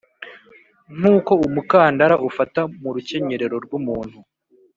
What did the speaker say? Nk uko umukandara ufata mu rukenyerero rw umuntu